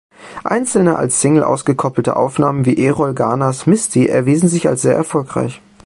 Einzelne als Single ausgekoppelte Aufnahmen wie Erroll Garners "Misty" erwiesen sich als sehr erfolgreich.